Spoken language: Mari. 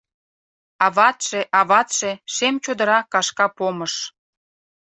Аватше, аватше - шем чодыра кашка помыш.